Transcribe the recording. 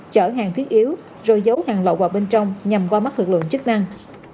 chở hàng thiết yếu rồi giấu hàng lậu vào bên trong nhằm qua mắt lực lượng chức năng